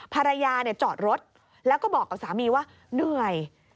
ภรรยาจอดรถแล้วก็บอกกับสามีว่าเหนื่อย